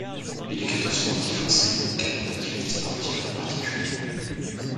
L'éducateur sportif enseigne et encadre une activité sportive en particulier.